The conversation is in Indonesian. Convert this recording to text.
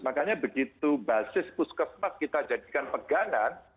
makanya begitu basis puskesmas kita jadikan pegangan